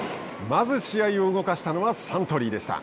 まず試合を動かしたのはサントリーでした。